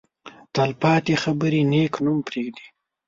تل پاتې خبرې نېک نوم پرېږدي.